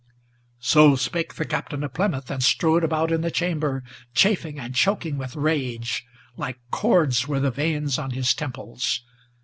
So spake the Captain of Plymouth, and strode about in the chamber, Chafing and choking with rage; like cords were the veins on his temples.